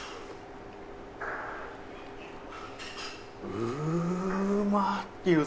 うまい。